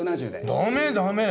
ダメダメ！